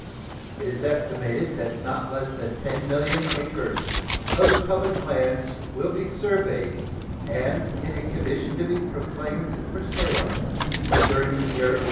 It is estimated that not less than 10,000,000 acres of the public lands will be surveyed and be in a condition to be proclaimed for sale during the year 1848.